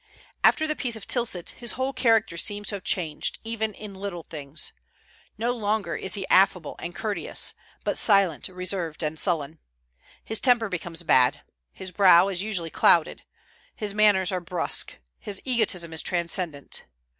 After the peace of Tilsit his whole character seems to have changed, even in little things. No longer is he affable and courteous, but silent, reserved, and sullen. His temper becomes bad; his brow is usually clouded; his manners are brusque; his egotism is transcendent.